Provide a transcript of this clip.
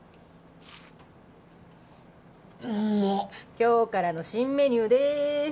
今日からの新メニューです。